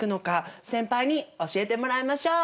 先輩に教えてもらいましょう！